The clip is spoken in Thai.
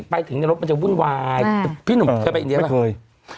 ไปถึงในรถมันจะวุ่นวายพี่หนุ่มเคยไปอินเดียไหมเคย